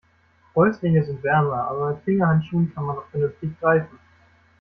Fäustlinge sind wärmer, aber mit Fingerhandschuhen kann man noch vernünftig greifen.